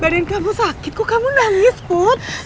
badan kamu sakit kok kamu nangis put